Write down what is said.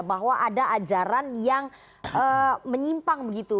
bahwa ada ajaran yang menyimpang begitu